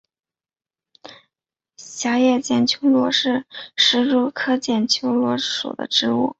狭叶剪秋罗是石竹科剪秋罗属的植物。